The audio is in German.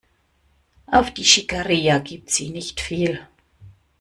Auf die Schickeria gibt sie nicht viel.